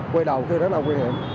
quay đầu thì rất là nguy hiểm